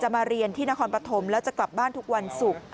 มีการฆ่ากันห้วย